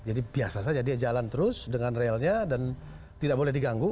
jadi biasa saja dia jalan terus dengan realnya dan tidak boleh diganggu